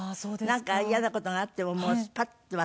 なんか嫌な事があってもスパッと忘れる。